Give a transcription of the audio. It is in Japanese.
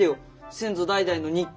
先祖代々の日記。